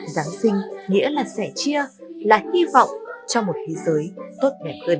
giáng sinh nghĩa là sẻ chia là hy vọng cho một thế giới tốt đẹp hơn